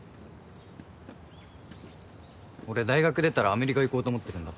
俺大学出たらアメリカ行こうと思ってるんだ。